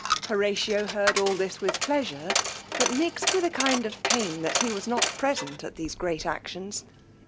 Horatio heard all this with pleasure, but mixed with a kind of pain that he was not present at these great actions.